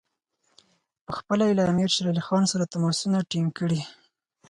پخپله یې له امیر شېر علي سره تماسونه ټینګ کړي.